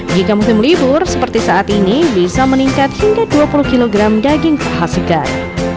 jika musim libur seperti saat ini bisa meningkat hingga dua puluh kg daging paha segar